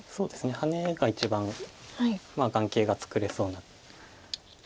ハネが一番眼形が作れそうな。